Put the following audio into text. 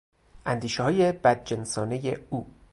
اندیشههای بدجنسانهی او